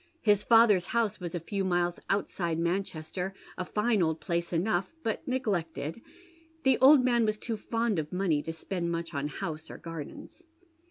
His father's house was a few miles outside Manchester, a fine old place enough, but neglected, — the old man was too fond of money to spend mucii on house or gardens.